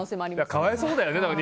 かわいそうだよね。